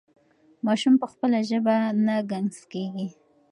ماشوم په خپله ژبه نه ګنګس کېږي.